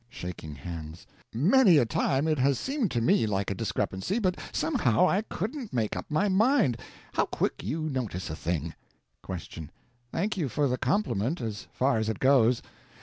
(Shaking hands.) Many a time it has seemed to me like a discrepancy, but somehow I couldn't make up my mind. How quick you notice a thing! Q. Thank you for the compliment, as far as it goes.